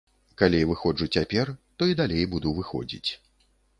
Калі выходжу цяпер, то і далей буду выходзіць.